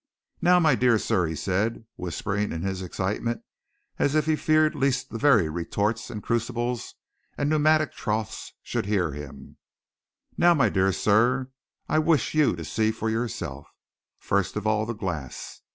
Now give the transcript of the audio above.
"Now, my dear sir," he said, whispering in his excitement as if he feared lest the very retorts and crucibles and pneumatic troughs should hear him, "Now, my dear sir, I wish you to see for yourself. First of all, the glass.